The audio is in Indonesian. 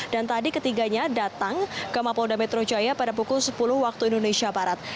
dan tadi ketiganya datang ke mapulda metro jaya pada pukul sepuluh waktu indonesia barat